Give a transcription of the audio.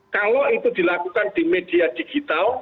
kalau itu dilakukan di media digital